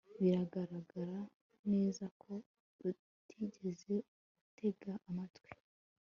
Biragaragara neza ko utigeze utega amatwi